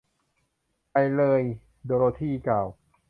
ไปเลย ! โดโรธีกล่าว